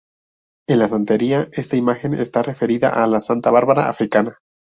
En la Santería, esta imagen está referida a la Santa Bárbara Africana.